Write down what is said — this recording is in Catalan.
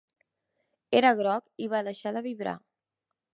Era groc i va deixar de vibrar.